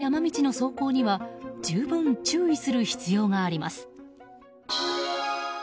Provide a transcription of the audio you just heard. これからの季節暗い山道の走行には十分注意する必要があります。